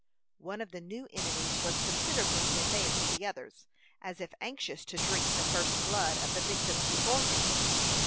One of the new enemies was considerably in advance of the others, as if anxious to drink the first blood of the victims before him.